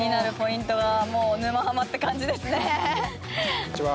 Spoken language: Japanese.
こんにちは。